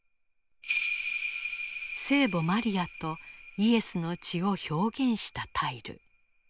聖母マリアとイエスの血を表現したタイル。